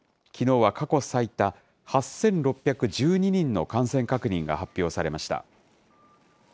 きのうは過去最多、８６１２人の感染確認が発表されました。